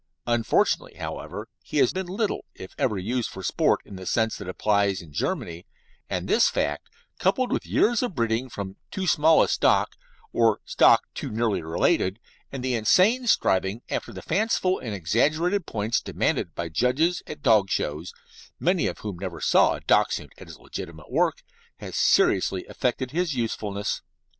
Unfortunately, however, he has been little, if ever, used for sport in the sense that applies in Germany, and this fact, coupled with years of breeding from too small a stock (or stock too nearly related) and the insane striving after the fanciful and exaggerated points demanded by judges at dog shows, many of whom never saw a Dachshund at his legitimate work, has seriously affected his usefulness.